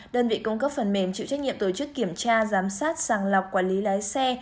đơn vị cung cấp phần mềm chịu trách nhiệm tổ chức kiểm tra giám sát sàng lọc quản lý lái xe